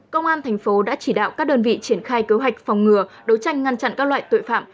công an thành phố đã chỉ đạo các đơn vị triển khai kế hoạch phòng ngừa đấu tranh ngăn chặn các loại tội phạm